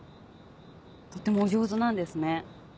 とってもお上手なんですね。